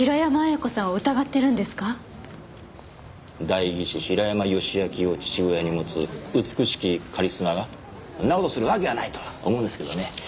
代議士平山義昭を父親に持つ美しきカリスマがそんな事するわけがないと思うんですけどね